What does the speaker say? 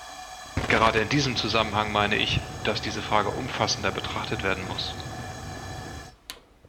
Gerade in diesem Zusammenhang meine ich, dass diese Frage umfassender betrachtet werden muss.